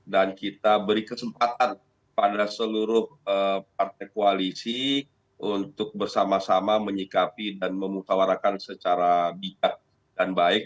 dan kita beri kesempatan pada seluruh partai koalisi untuk bersama sama menyikapi dan memukawarakan secara bijak dan baik